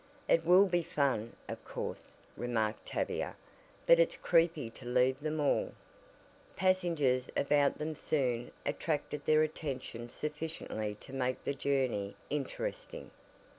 "It will be fun, of course," remarked Tavia, "but it's creepy to leave them all." Passengers about them soon attracted their attention sufficiently to make the journey interesting.